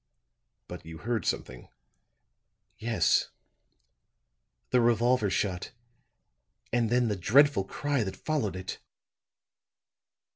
"But you heard something?" "Yes; the revolver shot, and then the dreadful cry that followed it."